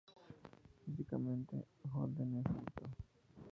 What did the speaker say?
Físicamente, Holden es alto.